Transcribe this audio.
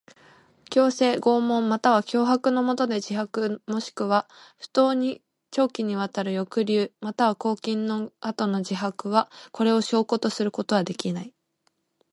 強制、拷問または脅迫のもとでの自白もしくは不当に長期にわたる抑留または拘禁の後の自白は、これを証拠とすることはできない。